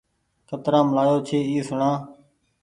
ڪترآم لآيو ڇي اي سوڻآ ۔